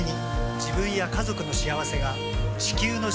自分や家族の幸せが地球の幸せにつながっている。